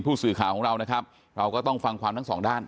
ผู้สื่อข่าวของเรานะครับเราก็ต้องฟังความทั้งสองด้าน